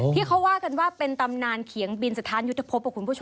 ที่เขาว่ากันว่าเป็นตำนานเขียงบินสถานยุทธพบกับคุณผู้ชม